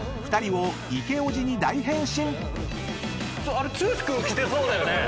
あれ剛君着てそうだよね。